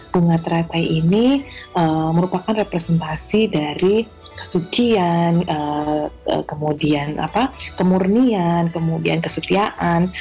bunga teratai ini merupakan representasi dari kesucian kemudian kemurnian kemudian kesutiaan